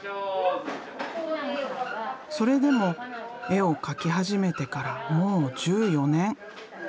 それでも絵を描き始めてからもう１４年。